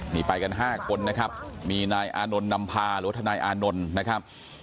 นี่ไปกัน๕คนนะครับมีนายอานนท์นำพาหรือว่าทนายอานนท์นะครับ